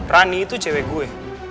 rani itu cewek gue